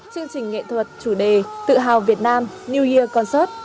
chương trình nghệ thuật chủ đề tự hào việt nam new year concert